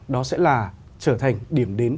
đó sẽ là trở thành điểm đến